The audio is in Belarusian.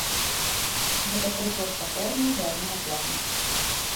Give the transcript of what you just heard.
Гэта прыклад патэрна задняга плану.